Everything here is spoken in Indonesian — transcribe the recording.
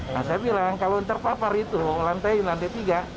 saya bilang kalau terpapar itu lantai tiga